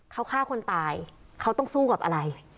เขาฆ่าคนตายเขาต้องสู้กับอะไร